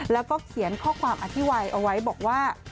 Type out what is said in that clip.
แล้วก็เขียนข้อความอธิบายเอาไว้บอกว่า